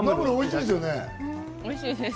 おいしいです。